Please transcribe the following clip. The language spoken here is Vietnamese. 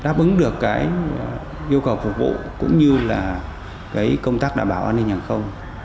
đáp ứng được cái yêu cầu phục vụ cũng như là cái công tác đảm bảo an ninh hàng không